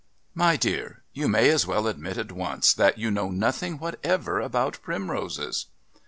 "My dear, you may as well admit at once that you know nothing whatever about primroses."